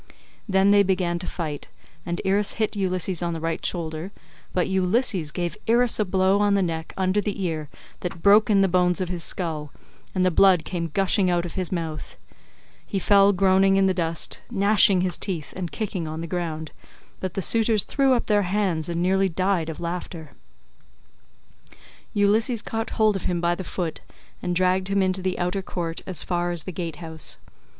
Then they began to fight, and Irus hit Ulysses on the right shoulder; but Ulysses gave Irus a blow on the neck under the ear that broke in the bones of his skull, and the blood came gushing out of his mouth; he fell groaning in the dust, gnashing his teeth and kicking on the ground, but the suitors threw up their hands and nearly died of laughter, as Ulysses caught hold of him by the foot and dragged him into the outer court as far as the gate house.